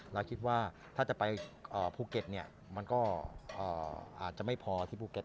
เราคิดว่าถ้าจะไปภูเก็ตมันก็อาจจะไม่พอที่ภูเก็ต